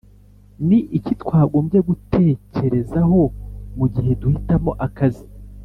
Ni iki twagombye gutekerezaho mu gihe duhitamo akazi